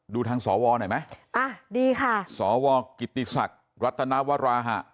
ดูทางสวหน่อยไหมอ่ะดีค่ะสวกิติศักดิ์รัตนวราหะ